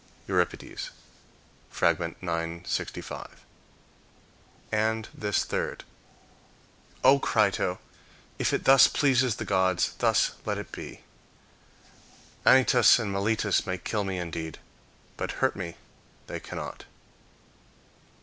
Euripides, Frag. 965 And this third: "0 Crito, if it thus pleases the gods, thus let it be. Anytus and Melitus may kill me indeed, but hurt me they cannot."